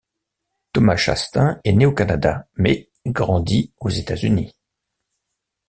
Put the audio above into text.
Thomas Chastain est né au Canada, mais grandit aux États-Unis.